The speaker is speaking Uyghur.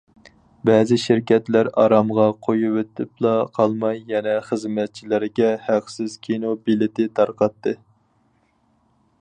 بەزى شىركەتلەر ئارامغا قويۇۋېتىپلا قالماي، يەنە خىزمەتچىلىرىگە ھەقسىز كىنو بېلىتى تارقاتتى.